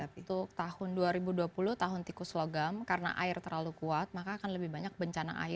itu tahun dua ribu dua puluh tahun tikus logam karena air terlalu kuat maka akan lebih banyak bencana air